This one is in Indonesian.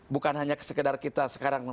bukan hanya sekedar kita sekarang